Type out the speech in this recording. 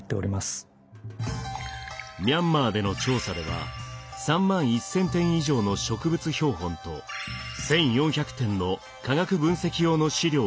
ミャンマーでの調査では３万１，０００点以上の植物標本と１，４００点の化学分析用の試料を採集。